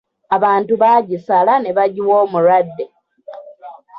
Abantu baagisala nebagyiwa omulwadde.